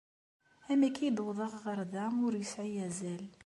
Amek ay d-uwḍeɣ ɣer da ur yesɛi azal.